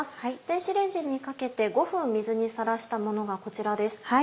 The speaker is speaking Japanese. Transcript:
電子レンジにかけて５分水にさらしたものがこちらです。